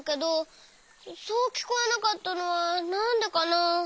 そうきこえなかったのはなんでかな？